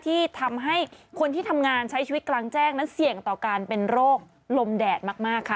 ที่ทำให้คนที่ทำงานใช้ชีวิตกลางแจ้งนั้นเสี่ยงต่อการเป็นโรคลมแดดมากค่ะ